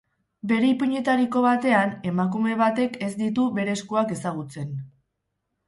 Bere ipuinetariko batean, emakume batek ez ditu bere eskuak ezagutzen.